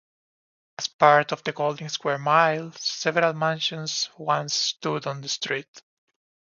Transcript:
As part of the Golden Square Mile, several mansions once stood on this street.